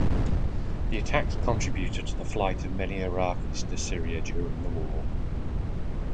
The attacks contributed to the flight of many Iraqis to Syria during the war.